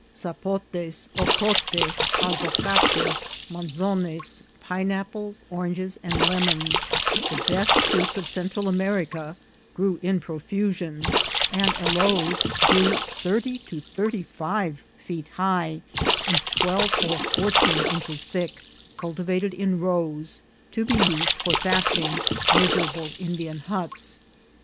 Sapotes, hocotes, aguacates, manzones, pineap ples, oranges, and lemons, the best fruits of Central America, grew in profusion, and aloes grew thirty to thirty five feet high, and twelve or fourteen inches thick, cultivated in rows, to be used for thatching miserable Indian huts.